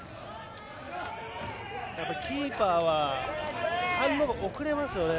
キーパーは反応がやっぱり遅れますね。